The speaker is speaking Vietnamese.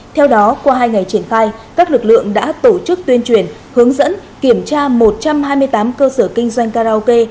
theo đó qua hai ngày triển khai các lực lượng đã tổ chức tuyên truyền hướng dẫn kiểm tra một trăm hai mươi tám cơ sở kinh doanh karaoke